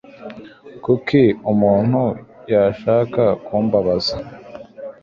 Kuki umuntu yashaka kumbabaza?